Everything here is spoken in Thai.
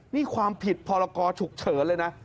นี่ความผิดพรกรฉุกเฉินเลยนะ